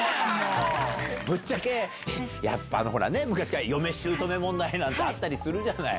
ぶっちゃけ、やっぱ、昔から嫁、しゅうとめ問題なんてあったりするじゃない。